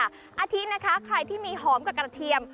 อาทิตย์นะคะใครที่มีหอมกับกระเทียม